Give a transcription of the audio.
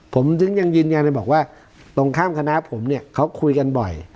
ผมถึงยังยืนยันเลยบอกว่าตรงข้ามคณะผมเนี่ยเขาคุยกันบ่อย